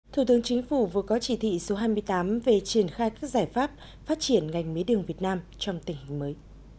thủ tướng chính phủ vừa có chỉ thị số hai mươi tám về triển khai các giải pháp phát triển ngành mía đường việt nam trong tình hình mới